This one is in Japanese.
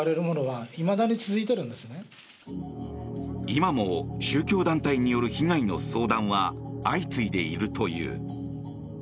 今も宗教団体による被害の相談は相次いでいるという。